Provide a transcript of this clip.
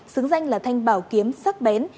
xứng danh là thanh bảo kiếm sắc bén